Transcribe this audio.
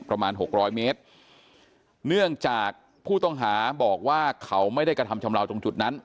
หกร้อยเมตรเนื่องจากผู้ต้องหาบอกว่าเขาไม่ได้กระทำชำราวตรงจุดนั้น